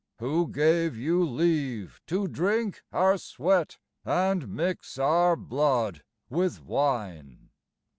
Who gave you leave to drink our sweat and mix our blood with wine?